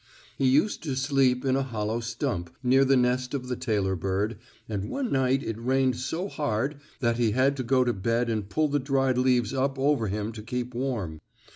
He used to sleep in a hollow stump, near the nest of the tailor bird, and one night it rained so hard that he had to go to bed and pull the dried leaves up over him to keep warm.